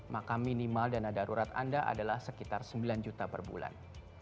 maka minimal dana darurat anda adalah sekitar sembilan juta per bulan